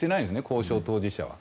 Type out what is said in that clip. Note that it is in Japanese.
交渉当事者は。